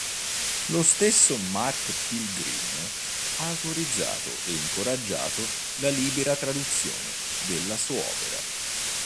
Lo stesso Mark Pilgrim ha autorizzato e incoraggiato la libera traduzione della sua opera.